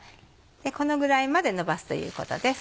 このぐらいまでのばすということです。